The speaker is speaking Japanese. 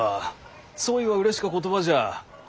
そいはうれしか言葉じゃ。